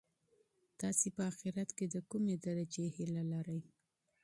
تاسي په اخیرت کي د کومې درجې هیله لرئ؟